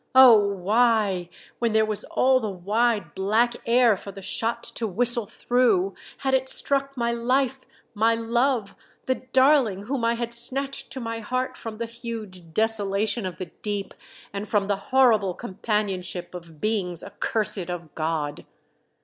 Oh, why, when there was all the wide black air for the shot to whistle through, had it struck my life, my love, the darling whom I had snatched to my heart from the huge desolation of the deep, and from the horrible companionship of beings accurst of God